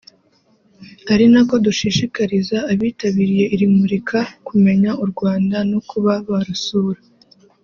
ari nako dushishikariza abitabiriye iri murika kumenya u Rwanda no kuba barusura